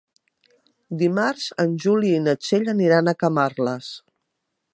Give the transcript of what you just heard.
Dimarts en Juli i na Txell aniran a Camarles.